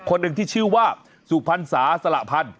คนหนึ่งที่ชื่อว่าสุพรรษาสละพันธ